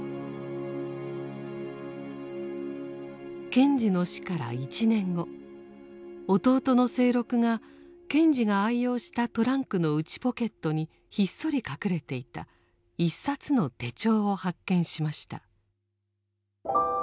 賢治の死から１年後弟の清六が賢治が愛用したトランクの内ポケットにひっそり隠れていた一冊の手帳を発見しました。